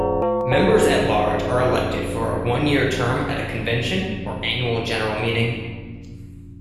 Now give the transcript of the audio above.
Members-at-Large are elected for a one-year term at a Convention or Annual General Meeting.